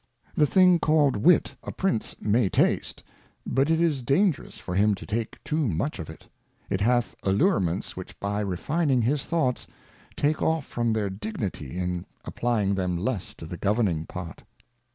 The Thing called Wit, a Prince may taste, but it is dangerous for him to take too much of it ; it hath Allurements which by refining his Thoughts, take off from their dignity, in applying them less to the governing part.